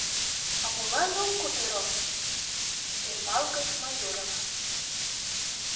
— А молан ок кутыро? — ӧрмалгыш Майорова.